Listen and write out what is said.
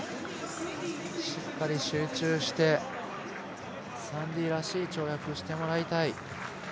しっかり集中して、サンディらしい跳躍をしてもらいたい。